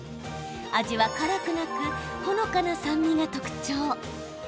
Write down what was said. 味は辛くなくほのかな酸味が特徴。